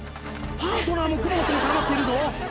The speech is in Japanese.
パートナーもクモの巣に絡まっているぞ。